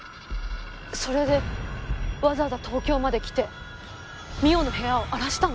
それでわざわざ東京まで来て望緒の部屋を荒らしたの？